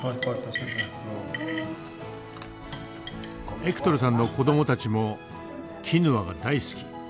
エクトルさんの子どもたちもキヌアが大好き。